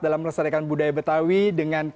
dalam melestarikan budaya betawi dengan